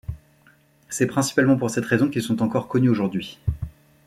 C'est principalement pour cette raison qu'ils sont encore connus aujourd'hui.